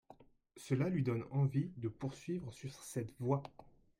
Cela lui donne envie de poursuivre sur cette voie.